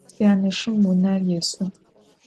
Syaneşşım vuner yêş'ı.